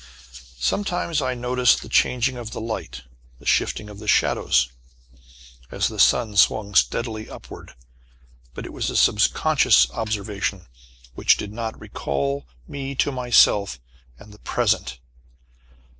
Sometimes I noticed the changing of the light, the shifting of the shadows, as the sun swung steadily upward, but it was a subconscious observation which did not recall me to myself and the present.